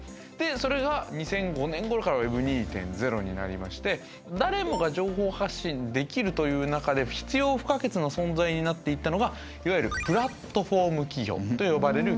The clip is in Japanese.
それが２００５年ごろからＷｅｂ２．０になりまして誰もが情報発信できるという中で必要不可欠な存在になっていったのがいわゆるプラットフォーム企業と呼ばれる企業になります。